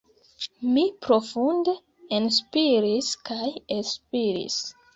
Mi profunde enspiris kaj elspiris.